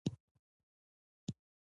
د کندهار په ژیړۍ کې د څه شي نښې دي؟